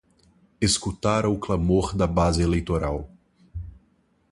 Escutara o clamor da base eleitoral